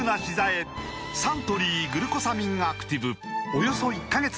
およそ１カ月分